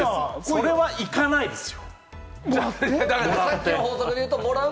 それは行かないですよ。